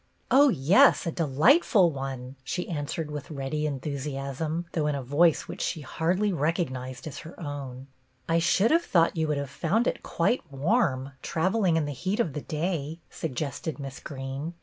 Oh, yes, a delightful one," she answered with ready enthusiasm, though in a voice which she hardly recognized as her own. " I should have thought you would have found it quite warm, travelling in the heat of the day," suggested Miss Greene.